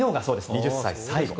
２０歳、最後の。